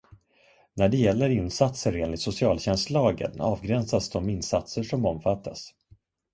När det gäller insatser enligt socialtjänstlagen avgränsas de insatser som omfattas.